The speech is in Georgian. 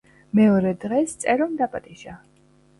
მეორე დღეს წერომ დაპატიჟა